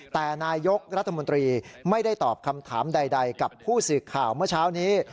แต่นายกรัฐมนตรีไม่ได้ตอบคำถามใดกับผู้สื่อข่าวเมื่อเช้านี้